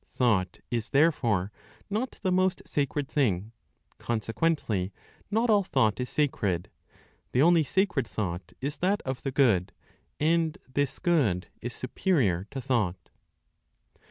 Thought is therefore not the most sacred thing; consequently, not all thought is sacred; the only sacred thought is that of the Good, and this (Good) is superior to thought.